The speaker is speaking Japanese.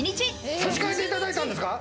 差し替えていただいたんですか？